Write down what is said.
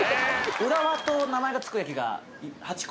「浦和」と名前がつく駅が８個。